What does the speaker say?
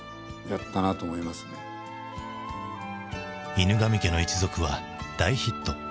「犬神家の一族」は大ヒット。